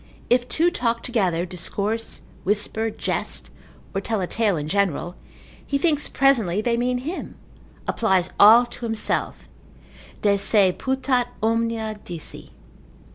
If two talk together, discourse, whisper, jest, or tell a tale in general, he thinks presently they mean him, applies all to himself, de se putat omnia dici.